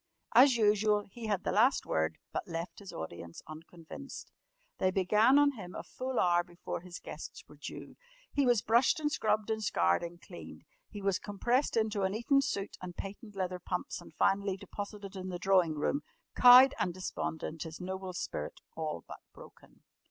As usual he had the last word, but left his audience unconvinced. They began on him a full hour before his guests were due. He was brushed and scrubbed and scoured and cleaned. He was compressed into an Eton suit and patent leather pumps and finally deposited in the drawing room, cowed and despondent, his noble spirit all but broken.